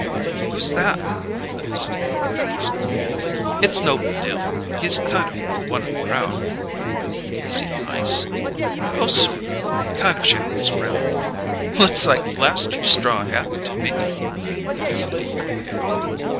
"Who's that?" the visiting one asked. "It's Noble Dill; he's kind of one of the crowd." "Is he nice?" "Oh, sort of. Kind of shambles around." "Looks like last year's straw hat to me," the visiting one giggled.